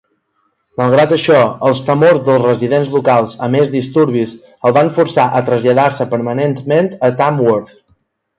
Malgrat això, els temors dels residents locals a més disturbis el van forçar a traslladar-se permanentment a Tamworth.